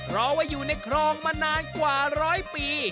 รอไว้อยู่ในครองมานานกว่าร้อยปี